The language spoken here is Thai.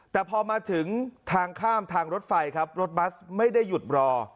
แต่พอมาถึงทางข้ามทางรถไฟครับรถบัสไม่ได้หยุดรอ